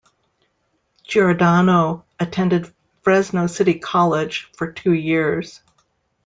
Giordano attended Fresno City College for two years.